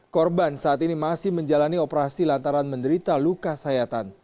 korban saat ini masih menjalani operasi lantaran menderita luka sayatan